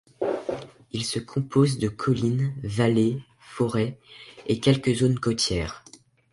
Il se compose de collines, vallées, forêts, et quelques zones côtières.